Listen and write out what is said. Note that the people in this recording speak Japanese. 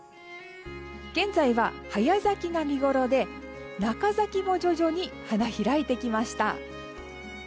現在は早咲きが見ごろで中咲きも徐々に花開いてきました。